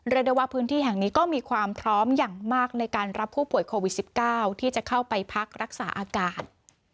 เรียกได้ว่าพื้นที่แห่งนี้ก็มีความพร้อมอย่างมากในการรับผู้ป่วยโควิด๑๙ที่จะเข้าไปพักรักษาอากาศ